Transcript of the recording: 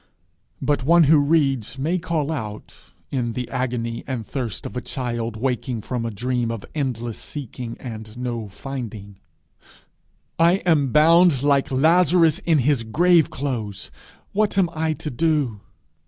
But one who reads may call out, in the agony and thirst of a child waking from a dream of endless seeking and no finding, 'I am bound like Lazarus in his grave clothes! what am I to do?'